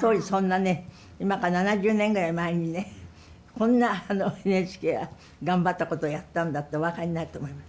当時そんなね今から７０年ぐらい前にねこんなＮＨＫは頑張ったことをやったんだってお分かりになると思います。